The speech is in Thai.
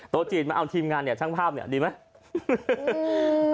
จีนมาเอาทีมงานเนี่ยช่างภาพเนี่ยดีไหม